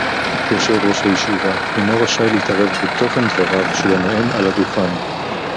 יושב-ראש הישיבה אינו רשאי להתערב בתוכן דבריו של הנואם על הדוכן